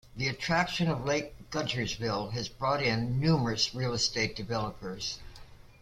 The attraction of Lake Guntersville has brought in numerous real estate developers.